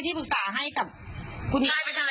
กินมาท่านปี๊กกินไหมพี่ป๊า